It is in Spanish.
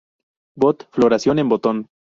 Bot: floración en botón.